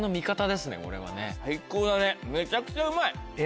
最高だねめちゃくちゃうまい。